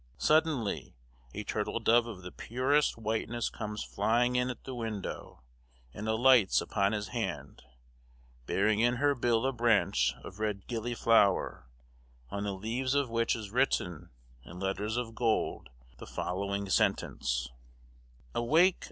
Suddenly, a turtledove of the purest whiteness comes flying in at the window, and alights upon his hand, bearing in her bill a branch of red gilliflower, on the leaves of which is written, in letters of gold, the following sentence: Awake!